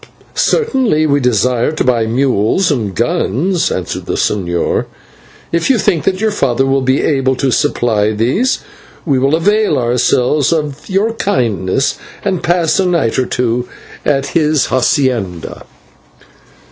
"Certainly we desire to buy mules and guns," answered the señor, "and if you think that your father will be able to supply these, we will avail ourselves of your kindness and pass a night or two at his /hacienda